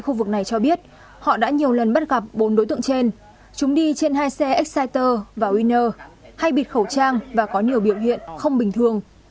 khu vực này cho biết họ đã nhiều lần bắt gặp bốn đối tượng trên chúng đi trên hai xe exciter và winner hay bịt khẩu trang và có nhiều biểu hiện không bình thường